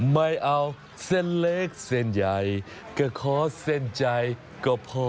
ไม่เอาเส้นเล็กเส้นใหญ่ก็ขอเส้นใจก็พอ